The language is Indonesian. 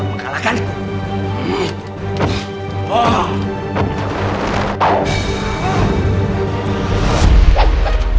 siapa sebenernya alaq